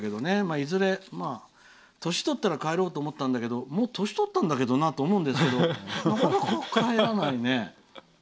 いずれ年をとったら帰ろうと思ったんだけどもう年をとったんだけどなと思うんだけどなかなか帰らないね。